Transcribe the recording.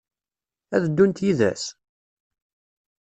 Ad ddunt yid-s?